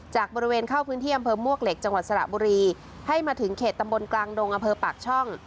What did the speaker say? จากบริเวณเข้าพื้นที่อำเภอมวกเหล็กจังหวัดสระบุรีให้มาถึงเขตตำบลกลางดงอำเภอปากช่อง